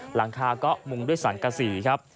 หลังคาก็มุงด้วยสังกษีครับ